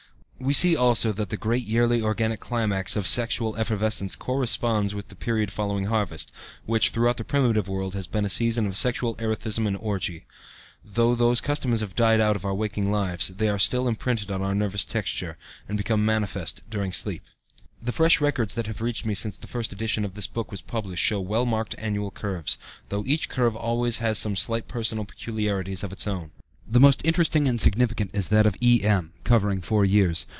We see, also, that the great yearly organic climax of sexual effervescence corresponds with the period following harvest, which, throughout the primitive world, has been a season of sexual erethism and orgy; though those customs have died out of our waking lives, they are still imprinted on our nervous texture, and become manifest during sleep. The fresh records that have reached me since the first edition of this book was published show well marked annual curves, though each curve always has some slight personal peculiarities of its own. The most interesting and significant is that of E.M. (see ante p. 116), covering four years.